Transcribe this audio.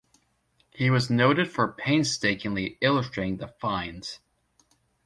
He was noted for painstakingly illustrating the finds.